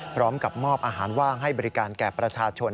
พร้อมกับมอบอาหารว่างให้บริการแก่ประชาชน